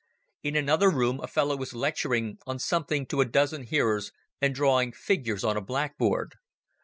In another room a fellow was lecturing on something to a dozen hearers and drawing figures on a blackboard.